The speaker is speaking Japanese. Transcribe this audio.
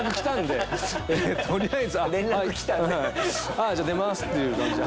「ああじゃあ出ます」っていう感じで。